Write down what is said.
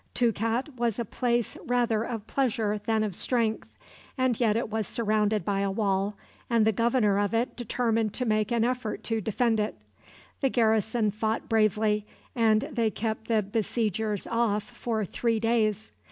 Toukat was a place rather of pleasure than of strength, and yet it was surrounded by a wall, and the governor of it determined to make an effort to defend it. The garrison fought bravely, and they kept the besiegers off for three days.